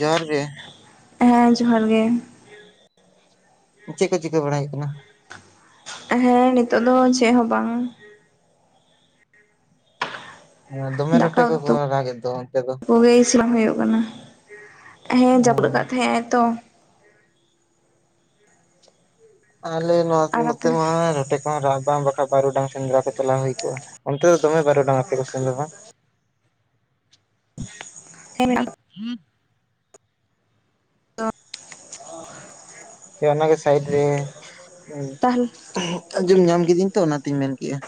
ᱡᱚᱦᱟᱸᱨ ᱜᱮ ᱦᱮᱸ ᱡᱚᱦᱟᱸᱨ ᱜᱮ ᱪᱮᱫ ᱠᱚ ᱪᱤᱠᱟᱹ ᱵᱟᱲᱟᱭ ᱦᱳᱭᱳᱜ ᱠᱟᱱᱟ ᱦᱮᱸ ᱱᱤᱛᱚᱜ ᱫᱚ ᱪᱮᱫ ᱦᱚᱸ ᱵᱟᱝ ᱫᱚᱢᱮ ᱫᱟᱠᱟ ᱨᱚᱴᱮ ᱩᱛᱩ ᱠᱚᱠᱚ ᱨᱟᱜᱮᱫ ᱫᱚ ᱚᱱᱛᱮ ᱫᱚ? ᱠᱚ ᱜᱮ ᱤᱥᱤᱱ ᱦᱩᱭᱩᱜ ᱠᱟᱱᱟ ᱦᱮᱸ ᱡᱟᱹᱯᱩᱫ ᱞᱟᱫ ᱛᱟᱸᱦᱮᱜ ᱟᱭ ᱛᱚ ᱟᱞᱮ ᱱᱚᱣᱟ ᱟᱨ ᱱᱚᱛᱮ ᱟᱯᱮ ᱢᱟ ᱨᱚᱴᱮ ᱠᱚᱦᱚ ᱨᱟᱜ ᱵᱟᱝ ᱨᱟᱠᱟᱵ ᱵᱟᱨᱩᱰᱟᱝ ᱥᱮᱸᱫᱽᱨᱟ ᱠᱚ ᱪᱟᱞᱟᱣ ᱦᱩᱭ ᱠᱚᱜ ᱟ ᱚᱱᱛᱮ ᱫᱚ ᱫᱚᱢᱮ ᱵᱟᱨᱩᱰᱟᱝ ᱟᱯᱮ ᱠᱚᱥᱮᱱ ᱫᱚ ᱵᱟᱝ ᱦᱮᱸ ᱢᱮᱱᱟᱜ [unintelligible] ᱫᱚ [unintelligible] ᱚᱱᱟᱜᱮ ᱥᱟᱭᱤᱰ ᱨᱮ ᱛᱟᱦᱚᱞᱮ ᱟᱸᱡᱚᱢ ᱧᱟᱢ ᱠᱤᱫᱤᱹᱧ ᱛᱚ ᱚᱱᱟᱛᱤᱧ ᱢᱮᱱ ᱠᱮᱜ-ᱟ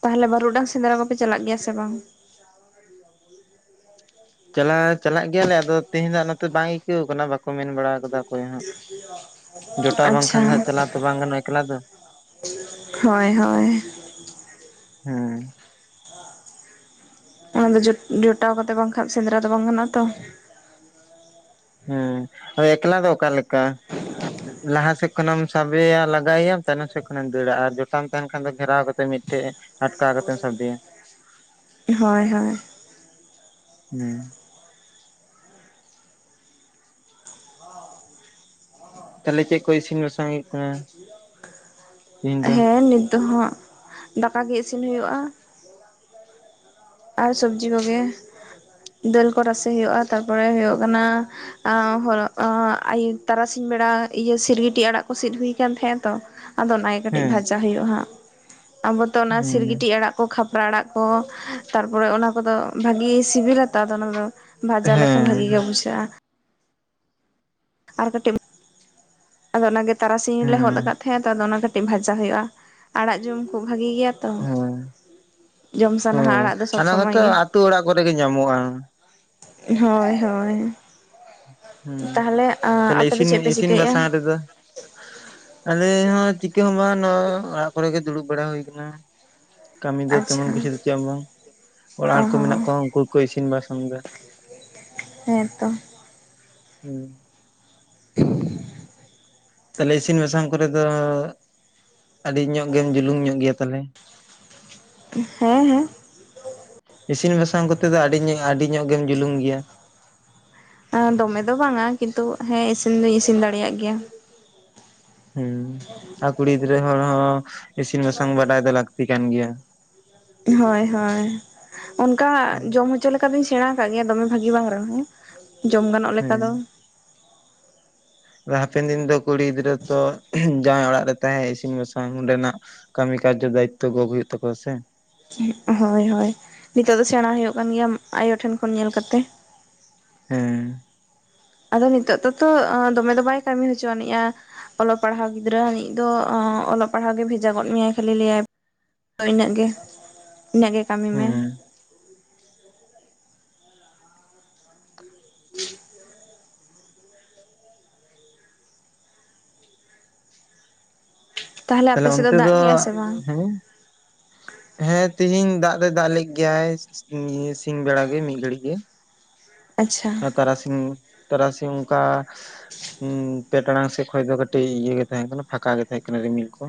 ᱛᱟᱦᱚᱞᱮ ᱵᱟᱹᱨᱩᱰᱟᱝ ᱥᱮᱸᱫᱽᱨᱟ ᱠᱚᱯᱮ ᱪᱟᱞᱟᱜ ᱜᱮᱭᱟ ᱥᱮ ᱵᱟᱝ ᱪᱟᱞᱟᱜ ᱪᱟᱞᱟᱜ ᱜᱮᱭᱟ ᱞᱮ ᱟᱫᱚ ᱛᱤᱦᱤᱧ ᱫᱚ ᱱᱚᱛᱮ ᱵᱟᱝ ᱟᱹᱭᱠᱟᱹᱣ ᱠᱟᱱᱟ ᱵᱟᱠᱚ ᱢᱮᱱ ᱵᱟᱲᱟ ᱟᱠᱟᱫᱟ ᱚᱠᱚᱭ ᱦᱚᱸ [unintelligible] ᱡᱚᱴᱟᱣ ᱵᱟᱝ ᱟᱪᱪᱷᱟ ᱠᱷᱟᱱ ᱫᱚ ᱦᱟᱸᱜ ᱪᱟᱞᱟᱣ ᱛᱚ ᱵᱟᱝ ᱜᱟᱱᱚᱜᱼ ᱟ ᱮᱠᱞᱟ ᱫᱚ ᱦᱳᱭ ᱦᱳᱭ ᱦᱩᱸ ᱚᱱᱟ ᱫᱚ ᱡᱚᱴᱟᱣ ᱠᱟᱛᱮᱫ ᱵᱟᱝ ᱠᱷᱟᱱ ᱥᱮᱸᱫᱽᱨᱟ ᱫᱚ ᱵᱟᱝ ᱜᱟᱱᱚᱜ ᱼᱟ ᱛᱚ ᱦᱩᱸ ᱮᱠᱞᱟ ᱫᱚ ᱚᱠᱟ ᱞᱮᱠᱟ ᱞᱟᱦᱟ ᱥᱮᱫ ᱠᱷᱚᱱᱮᱢ ᱥᱟᱵᱮᱭᱟ ᱞᱟᱜᱟᱭᱮᱟᱢ ᱛᱟᱭᱱᱚᱢ ᱥᱮᱫ ᱠᱷᱚᱱᱮᱢ ᱫᱟᱹᱲᱟ ᱟᱨ ᱡᱚᱴᱟᱢ ᱛᱟᱦᱮᱱ ᱠᱷᱟᱱ ᱜᱷᱮᱨᱟᱣ ᱠᱟᱛᱮ ᱢᱤᱫ ᱴᱷᱮᱡᱼᱼ ᱟᱴᱠᱟᱣ ᱠᱟᱛᱮᱢ ᱥᱟᱵᱮᱭᱟ ᱦᱳᱭ ᱦᱳᱭ ᱦᱮᱸ ᱛᱟᱦᱚᱞᱮ ᱪᱮᱫ ᱠᱚ ᱤᱥᱤᱱ ᱵᱟᱥᱟᱝ ᱦᱩᱭᱩᱜ ᱠᱟᱱᱟ ᱛᱤᱦᱤᱧ ᱫᱚ ᱦᱮᱸ ᱱᱤᱛ ᱫᱚᱦᱟᱸᱜ ᱫᱟᱠᱟ ᱜᱮ ᱤᱥᱤᱱ ᱦᱩᱭᱩᱜᱼᱟ ᱟᱨ ᱥᱚᱵᱽᱡᱤ ᱠᱚᱜᱮ ᱫᱟᱹᱞ ᱠᱚ ᱨᱟᱥᱮ ᱦᱩᱭᱩᱜᱼᱟ ᱛᱟᱨᱯᱚᱨᱮ ᱦᱩᱭᱩᱜ ᱠᱟᱱᱟ ᱦᱚᱨᱚᱜ ᱛᱟᱨᱟᱥᱤᱧ ᱵᱮᱲᱟ ᱤᱭᱟᱹ ᱥᱤᱨᱜᱤᱴᱤᱡ ᱟᱲᱟᱜ ᱠᱚ ᱥᱤᱫ ᱦᱩᱭ ᱟᱠᱟᱱ ᱛᱟᱦᱮᱸᱱᱟ ᱛᱚ ᱟᱫᱚ ᱚᱱᱟᱜᱮ ᱠᱟᱹᱴᱤᱡ ᱦᱮᱸ ᱵᱷᱟᱡᱟ ᱦᱩᱭᱩᱜᱼᱟ ᱦᱟᱸᱜ ᱟᱵᱚ ᱛᱚ ᱚᱱᱟ ᱦᱮᱸ ᱥᱤᱨᱜᱤᱴᱤ ᱟᱲᱟᱜ ᱠᱚ ᱠᱷᱟᱯᱨᱟ ᱟᱲᱟᱜ ᱠᱚ ᱛᱟᱨᱯᱚᱨᱮ ᱚᱱᱟ ᱠᱚᱫᱚ ᱵᱷᱟᱜᱮ ᱥᱤᱵᱤᱞᱟ ᱛᱚ ᱟᱫᱚ ᱚᱱᱟᱫᱚ ᱵᱷᱟᱡᱟ ᱞᱮᱠᱷᱟᱱ ᱵᱷᱟᱜᱤ ᱜᱮ ᱵᱩᱡᱷᱟᱹᱜᱼᱟ ᱟᱨ ᱠᱟᱹᱴᱤᱡ ᱟᱫᱚ ᱚᱱᱟᱜᱮ ᱛᱟᱨᱟᱥᱤᱧ ᱞᱮ ᱦᱚᱫ ᱟᱠᱟᱫᱟ ᱦᱮᱸ ᱛᱚ ᱚᱱᱟ ᱠᱟᱹᱴᱤᱡ ᱵᱷᱟᱡᱟ ᱦᱩᱭᱩᱜᱼᱟ ᱟᱲᱟᱜ ᱡᱚᱢ ᱠᱚ ᱵᱷᱟᱜᱤ ᱜᱮᱭᱟ ᱛᱚ ᱦᱳᱭ ᱡᱚᱢ ᱥᱟᱱᱟᱣᱟ ᱦᱳᱭ ᱟᱲᱟᱜ ᱫᱚ ᱥᱚᱵᱽ ᱚᱱᱟ ᱥᱚᱢᱚᱭ ᱠᱚᱛᱚ ᱜᱮ ᱟᱹᱛᱩ ᱚᱲᱟᱜ ᱠᱚᱨᱮ ᱜᱮ ᱧᱟᱢᱚᱜᱼᱟ ᱦᱳᱭ ᱦᱳᱭ ᱦᱮᱸ ᱛᱟᱦᱚᱞᱮ ᱛᱟᱦᱞᱮ ᱟᱯᱮ ᱫᱚ ᱤᱥᱤᱱ ᱪᱮᱫ ᱯᱮ ᱤᱥᱤᱱ ᱪᱤᱠᱟᱹᱭᱮᱫᱼᱟ ᱵᱟᱥᱟᱝ ᱨᱮ ᱫᱚ ᱟᱞᱮ ᱦᱚᱸ ᱪᱤᱠᱟᱹ ᱦᱚᱸ ᱵᱟᱝ ᱱᱚᱣᱟ ᱚᱲᱟᱜ ᱠᱚᱨᱮ ᱜᱮ ᱫᱩᱲᱩᱵ ᱵᱟᱲᱟ ᱦᱩᱭ ᱟᱠᱟᱱᱟ ᱠᱟᱹᱢᱤ ᱫᱚ ᱛᱮᱢᱚᱱ ᱟᱪᱪᱷᱟ ᱠᱤᱪᱷᱩ ᱫᱚ ᱪᱮᱫ ᱦᱚᱸ ᱵᱟᱝ ᱚᱲᱟᱜ ᱚ ᱦᱚᱲ ᱠᱚ ᱢᱮᱱᱟᱜ ᱦᱚᱸ ᱠᱚᱣᱟ ᱩᱱᱠᱩ ᱜᱮ ᱠᱚ ᱤᱥᱤᱱ ᱵᱟᱥᱟᱝ ᱮᱫᱟ [unintelligible] ᱦᱮᱸᱛᱚ ᱦᱮᱸ [unintelligible] ᱛᱟᱦᱞᱮ ᱤᱥᱤᱱ ᱵᱟᱥᱟᱝ ᱠᱚᱨᱮ ᱫᱚ ᱟᱹᱰᱤ ᱧᱚᱜ ᱜᱮᱢ ᱡᱩᱞᱩᱢ ᱧᱚᱜ ᱜᱮᱭᱟ ᱛᱟᱦᱞᱮ ᱦᱮᱸ ᱦᱮᱸ ᱤᱥᱤᱱ ᱵᱟᱥᱟᱝ ᱠᱚᱛᱮ ᱫᱚ ᱟᱹᱰᱤ ᱧᱚᱜ ᱟᱹᱰᱤ ᱧᱚᱜ ᱜᱮᱢ ᱡᱩᱞᱩᱢ ᱜᱮᱭᱟ ᱫᱚᱢᱮ ᱫᱚ ᱵᱟᱝ ᱟ ᱠᱤᱱᱛᱩ ᱦᱮᱸ ᱤᱥᱤᱱ ᱫᱩᱧ ᱤᱥᱤᱱ ᱫᱟᱲᱮᱭᱟᱜ ᱜᱮᱭᱟ ᱦᱮᱸ ᱟᱨ ᱠᱩᱲᱤ ᱜᱤᱫᱽᱨᱟᱹ ᱦᱚᱲ ᱦᱚᱸ ᱤᱥᱤᱱ ᱵᱟᱥᱟᱝ ᱵᱟᱰᱟᱭ ᱫᱚ ᱞᱟᱹᱠᱛᱤ ᱠᱟᱱ ᱜᱮᱭᱟ ᱦᱳᱭ ᱦᱳᱭ ᱚᱱᱠᱟ ᱡᱚᱢ ᱦᱚᱪᱚ ᱞᱮᱠᱟ ᱫᱚᱧ ᱥᱮᱲᱟ ᱟᱠᱟᱫ ᱜᱮᱭᱟ ᱫᱚᱢᱮ ᱵᱷᱟᱜᱤ ᱵᱟᱝ ᱨᱮᱦᱚᱸ ᱡᱚᱢ ᱜᱟᱱᱚᱜ ᱞᱮᱠᱟ ᱦᱮᱸ ᱫᱚ ᱦᱟᱯᱮᱱ ᱫᱤᱱ ᱫᱚ ᱠᱩᱲᱤ ᱜᱤᱫᱽᱨᱟᱹ ᱛᱚ ᱡᱟᱶᱟᱭ ᱚᱲᱟᱜ ᱨᱮ ᱛᱟᱦᱮᱸ ᱤᱥᱤᱱ ᱵᱟᱥᱟᱝ ᱚᱸᱰᱮᱱᱟᱜ ᱠᱟᱹᱢᱤ ᱠᱟᱨᱡᱚ ᱫᱟᱭᱤᱛᱛᱚ ᱜᱚᱜ ᱦᱩᱭᱩᱜ ᱛᱟᱠᱚᱣᱟ ᱥᱮ ᱦᱳᱭ ᱦᱳᱭ ᱱᱤᱛᱚᱜ ᱫᱚ ᱥᱮᱬᱟ ᱦᱩᱭᱩᱜ ᱠᱟᱱ ᱜᱮᱭᱟ ᱟᱭᱳ ᱴᱷᱮᱱ ᱠᱷᱚᱱ ᱧᱮᱞ ᱠᱟᱛᱮ ᱦᱮᱸ ᱟᱫᱚ ᱱᱤᱛᱚᱜ ᱫᱚᱛᱚ ᱫᱚᱢᱮ ᱫᱚ ᱵᱟᱭ ᱠᱟᱹᱢᱤ ᱦᱚᱪᱚ ᱟᱹᱱᱤᱡᱼᱟ ᱚᱞᱚᱜ ᱯᱟᱲᱦᱟᱣ ᱜᱤᱫᱽᱨᱟᱹ ᱟᱹᱱᱤᱡ ᱫᱚ ᱚᱞᱚᱜ ᱯᱟᱲᱦᱟᱜ ᱜᱮ ᱵᱷᱮᱡᱟ ᱜᱚᱫ ᱢᱮᱭᱟᱭ ᱠᱷᱟᱹᱞᱤ ᱞᱟᱹᱭᱟᱭ ᱟᱫᱚ ᱤᱱᱟᱹᱜ ᱜᱮ ᱤᱱᱟᱹᱜ ᱜᱮ ᱠᱟᱹᱢᱤ ᱢᱮ ᱦᱮᱸ [inaudible] ᱛᱟᱦᱚᱞᱮ ᱟᱯᱮ ᱛᱟᱦᱞᱮ ᱥᱮᱫ ᱚᱱᱛᱮ ᱫᱟᱜ ᱫᱚ ᱠᱮᱜᱼᱟᱭ ᱥᱮ ᱵᱟᱝ ᱦᱮᱸ ᱦᱮᱸ ᱛᱤᱦᱤᱧ ᱫᱟᱜ ᱫᱚᱭ ᱫᱟᱜ ᱞᱮᱫ ᱜᱮᱭᱟ ᱥᱤᱧ ᱵᱮᱲᱟ ᱜᱮ ᱢᱤᱫ ᱜᱷᱟ. ᱲᱤᱡ ᱜᱮ ᱟᱪᱪᱷᱟ ᱟᱨ ᱛᱟᱨᱟᱥᱤᱝ ᱛᱟᱨᱟᱥᱤᱝ ᱚᱱᱠᱟ ᱦᱩᱸ ᱯᱮ ᱴᱟᱲᱟᱝ ᱥᱮᱫ ᱠᱷᱚᱱ ᱫᱚ ᱠᱟᱹᱴᱤᱡ ᱤᱭᱟᱹ ᱜᱮ ᱛᱟᱦᱮᱸ ᱠᱟᱱᱟ ᱯᱷᱟᱸᱠᱟ ᱜᱮ ᱛᱟᱦᱮᱸ ᱠᱟᱱᱟ ᱨᱤᱢᱤᱞ ᱠᱚ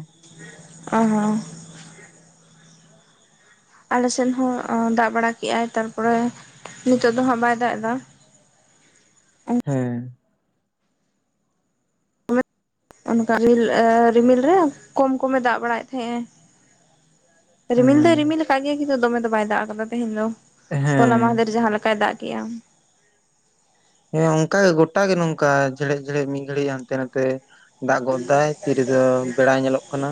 ᱚ ᱦᱚᱸ ᱟᱞᱮᱥᱮᱫ ᱦᱚᱸ ᱫᱟᱜ ᱵᱟᱲᱟ ᱠᱮᱜ ᱟᱭ ᱛᱟᱨᱯᱚᱨᱮ ᱱᱤᱛᱚᱜ ᱫᱚ ᱦᱟᱸᱜ ᱵᱟᱭ ᱫᱟᱜ ᱮᱫᱟ ᱦᱮᱸ ᱚᱱᱠᱟ ᱨᱤᱞ ᱨᱤᱢᱤᱞ ᱨᱮ ᱠᱚᱢ ᱠᱚᱢᱮ ᱫᱟᱜ ᱵᱟᱲᱟᱭᱮᱫ ᱛᱟᱦᱮᱸᱫ -ᱮ ᱨᱤᱢᱤᱞ ᱦᱩᱸ ᱫᱚᱭ ᱨᱤᱢᱤᱞ ᱟᱠᱟᱴᱟᱜ ᱜᱮᱭᱟ ᱠᱤᱱᱛᱩ ᱫᱚᱢᱮ ᱫᱚ ᱵᱟᱭ ᱫᱟᱜ ᱟᱠᱟᱫᱟ ᱛᱮᱦᱮᱧ ᱫᱚ ᱦᱮᱸ ᱦᱚᱞᱦᱟ ᱢᱟᱦᱫᱮᱨ ᱡᱟᱦᱟᱸ ᱞᱮᱠᱟᱭ ᱫᱟᱜ ᱠᱮᱫᱼᱟ ᱦᱮᱸ ᱚᱱᱠᱟ ᱜᱮ ᱜᱚᱴᱟ ᱜᱮ ᱱᱚᱝᱠᱟ ᱡᱷᱮᱲᱮᱫ ᱡᱷᱮᱲᱮᱫ ᱢᱤᱫ ᱜᱷᱟᱹᱲᱤᱡ ᱦᱟᱱᱛᱮ ᱱᱟᱛᱮ ᱫᱟᱜ ᱜᱚᱫ ᱮᱫᱟᱭ ᱛᱤᱨᱮᱫᱚ ᱵᱮᱲᱟᱭ ᱧᱮᱞᱚᱜ ᱠᱟᱱᱟ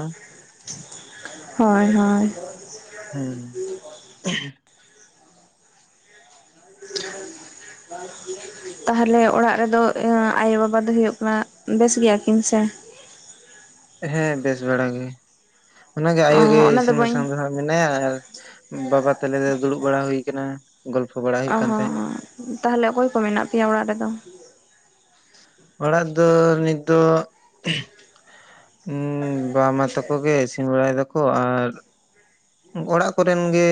ᱦᱳᱭ ᱦᱳᱭ [inaudible] ᱦᱩᱸ [unintelligible] [inaudible] ᱛᱟᱦᱞᱮ ᱚᱲᱟᱜ ᱨᱮᱫᱚ ᱟᱭᱳ ᱵᱟᱵᱟ ᱫᱚ ᱦᱩᱭᱩᱜ ᱠᱟᱱᱟ ᱵᱮᱥ ᱜᱮᱭᱟ ᱠᱤᱱ ᱥᱮ ᱦᱮᱸ ᱵᱮᱥ ᱵᱟᱲᱟᱜᱮ ᱚᱱᱟᱜᱮ ᱚ ᱟᱭᱳ ᱜᱮ ᱚᱱᱟ ᱤᱥᱤᱱ ᱵᱟᱹᱧ ᱵᱟᱥᱟᱝ ᱫᱚ ᱦᱟᱸᱜ ᱢᱮᱱᱟᱭᱟ ᱟᱨ ᱵᱟᱵᱟ ᱛᱟᱞᱮ ᱫᱚ ᱫᱩᱲᱩᱵ ᱵᱟᱲᱟ ᱦᱩᱭ ᱠᱟᱱᱟ ᱜᱚᱞᱯᱷᱚ ᱵᱟᱲᱟ ᱦᱩᱭᱩᱜ ᱚ ᱠᱟᱱ ᱦᱚᱸ ᱛᱟᱦᱮᱸᱫ ᱛᱟᱦᱚᱞᱮ ᱚᱠᱚᱭ ᱠᱚ ᱢᱮᱱᱟᱜ ᱯᱮᱭᱟ ᱚᱲᱟᱜ ᱨᱮᱫᱚ ᱚᱲᱟᱜ ᱫᱚ ᱱᱤᱛ ᱫᱚ ᱵᱟ ᱢᱟ ᱛᱟᱠᱚ ᱜᱮ ᱤᱥᱤᱱ ᱵᱟᱲᱟᱭ ᱫᱟᱠᱚ ᱟᱨ ᱚᱲᱟᱜ ᱠᱚᱨᱮᱱ ᱜᱮ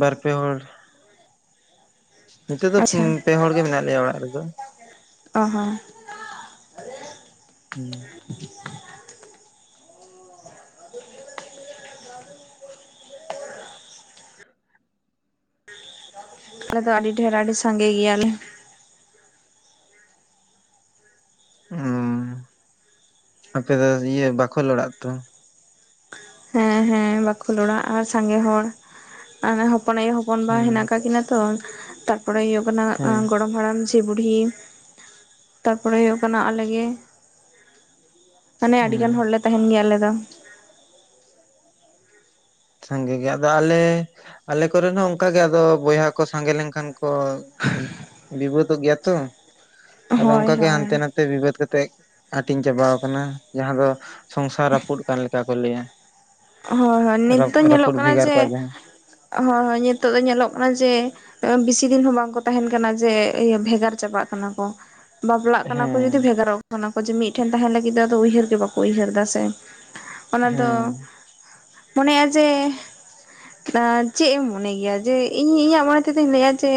ᱵᱟᱨᱯᱮ ᱦᱚᱲ ᱱᱤᱛᱚᱜ ᱫᱚ ᱟᱪᱪᱷᱟ ᱯᱮ ᱦᱚᱲ ᱜᱮ ᱢᱮᱱᱟᱜ ᱞᱮᱭᱟ ᱚᱲᱟᱜ ᱨᱮᱫᱚ ᱚ ᱦᱚ ᱦᱮᱸ [inaudible] ᱟᱞᱮ ᱫᱚ ᱟᱹᱰᱤ ᱰᱷᱮᱨ ᱟᱹᱰᱤ ᱥᱟᱸᱜᱮ ᱜᱮᱭᱟᱞᱮ ᱚ ᱟᱯᱮ ᱫᱚ ᱤᱭᱟᱹ ᱵᱟᱠᱷᱳᱞ ᱚᱲᱟᱜ ᱛᱚ ᱦᱮᱸ ᱦᱮᱸ ᱦᱮ ᱵᱟᱠᱷᱳᱞ ᱚᱲᱟᱜ ᱟᱨ ᱥᱟᱸᱜᱮ ᱦᱚᱲ ᱦᱚᱯᱚᱱ ᱟᱭᱳ ᱦᱚᱯᱚᱱ ᱦᱚᱯᱚᱱ ᱵᱟ ᱦᱩᱸ ᱦᱮᱱᱟᱜ ᱠᱟᱜ ᱠᱤᱱᱟ ᱛᱚ ᱛᱟᱨᱯᱚᱨᱮ ᱦᱩᱭᱩᱜ ᱠᱟᱱᱟ ᱦᱩᱸ ᱜᱚᱲᱚᱢ ᱦᱟᱲᱟᱢ ᱡᱷᱤ ᱵᱩᱰᱷᱤ ᱛᱟ ᱯᱚᱨᱮ ᱦᱩᱭᱩᱜ ᱠᱟᱱᱟ ᱟᱞᱮ ᱜᱮ ᱢᱟᱱᱮ ᱟᱹᱰᱤ ᱦᱩᱸ᱾ ᱜᱟᱱ ᱦᱚᱲᱞᱮ ᱛᱟᱸᱦᱮᱱ ᱜᱮᱭᱟ ᱟᱞᱮ ᱫᱚ ᱥᱟᱸᱜᱮ ᱜᱮ ᱟᱫᱚ ᱟᱞᱮ ᱟᱞᱮ ᱠᱚᱨᱮᱱ ᱦᱚᱸ ᱚᱱᱠᱟᱜᱮ ᱟᱫᱚ ᱵᱚᱭᱦᱟ ᱠᱚ ᱥᱟᱸᱜᱮ ᱞᱮᱱᱠᱷᱟᱱ ᱠᱚ ᱵᱤᱵᱟ. ᱛᱚᱜ ᱜᱮᱭᱟ ᱛᱚ ᱟᱫᱚ ᱦᱳᱭ ᱚᱱᱠᱟ ᱜᱮ ᱦᱳᱭ ᱦᱟᱱᱛᱮ ᱱᱟᱛᱮ ᱵᱤᱵᱟᱹᱫ ᱠᱟᱛᱮᱜ ᱦᱟᱹᱴᱤᱧ ᱪᱟᱵᱟᱣ ᱠᱟᱱᱟ ᱡᱟᱦᱟᱸ ᱫᱚ ᱥᱚᱝᱥᱟᱨ ᱨᱟᱹᱯᱩᱫ ᱠᱟᱱ ᱞᱮᱠᱟ ᱠᱚ ᱞᱟᱹᱭᱟ ᱦᱳᱭ ᱦᱳᱭ ᱱᱤᱛ ᱫᱚ ᱧᱮᱞᱚᱜ ᱨᱟᱹᱯᱩᱫ ᱠᱟᱱᱟ ᱵᱷᱮᱜᱟᱨ ᱡᱮ ᱠᱚᱣᱟ ᱡᱟᱦᱟᱸ ᱦᱳᱭ ᱦᱳᱭ ᱱᱤᱛᱚᱜ ᱫᱚ ᱧᱮᱞᱚᱜ ᱠᱟᱱᱟ ᱡᱮ ᱵᱤᱥᱤ ᱫᱤᱱ ᱦᱚᱸ ᱵᱟᱝᱠᱚ ᱛᱟᱦᱮᱸᱱ ᱠᱟᱱᱟ ᱡᱮ ᱤᱭᱟᱹ ᱵᱷᱮᱜᱟᱨ ᱪᱟᱵᱟᱜ ᱠᱟᱱᱟ ᱠᱚ ᱵᱟᱯᱞᱟᱜ ᱠᱟᱱᱟ ᱠᱚ ᱦᱮᱸ ᱵᱷᱮᱜᱟᱨᱚᱜ ᱠᱟᱱᱟ ᱠᱚ ᱡᱮ ᱢᱤᱫᱴᱷᱮᱱ ᱛᱟᱦᱮᱱ ᱞᱟᱹᱜᱤᱫ ᱫᱚ ᱟᱫᱚ ᱩᱭᱦᱟᱹᱨ ᱜᱮ ᱵᱟᱠᱚ ᱩᱭᱦᱟᱹᱨ ᱮᱫᱟ ᱥᱮ ᱚᱱᱟ ᱫᱚ ᱦᱮᱸ᱾ ᱢᱚᱱᱮᱼᱟ ᱡᱮ ᱪᱮᱫ ᱮᱢ ᱢᱚᱱᱮ ᱜᱮᱭᱟ ᱡᱮ ᱤᱧ ᱤᱧᱟᱹᱜ ᱢᱚᱱᱮ ᱛᱮᱫᱚᱧ ᱞᱟᱹᱭᱟ ᱡᱮ